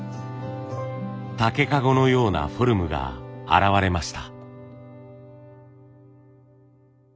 竹籠のようなフォルムが現れました。